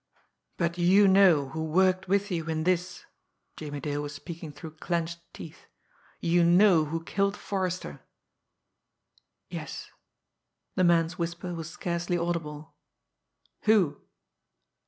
"But you know who worked with you in this." Jimmie Dale was speaking through clenched teeth. "You know who killed Forrester." "Yes." The man's whisper was scarcely audible. "Who?"